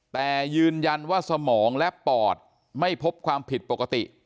แต่ยืนยันว่าสมองและปอดไม่พบความผิดปกติ